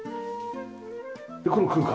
でこの空間。